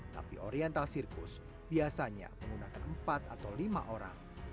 tapi oriental sirkus biasanya menggunakan empat atau lima orang